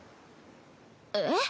えっ？